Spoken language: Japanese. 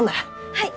はい。